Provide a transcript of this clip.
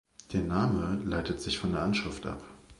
Der Name leitet sich von der Anschrift ab.